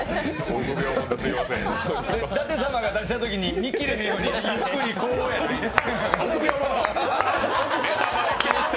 舘様が出したときに、見切るようにゆっくりこうやって。